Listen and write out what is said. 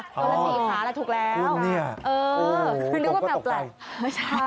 กรณีขาละถูกแล้วคุณเนี่ยโอ้โหคุณก็ตกใจไม่ใช่